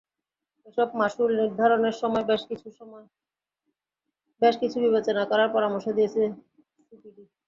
এসব মাশুল নির্ধারণের সময় বেশ কিছু বিষয় বিবেচনা করার পরামর্শ দিয়েছে সিপিডি।